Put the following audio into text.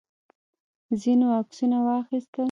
ځینو عکسونه واخیستل.